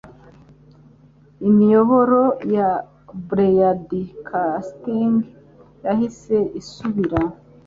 Imiyoboro ya Broadcasting yahise isubira